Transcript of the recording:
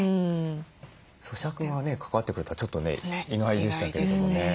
そしゃくがね関わってくるとはちょっとね意外でしたけどね。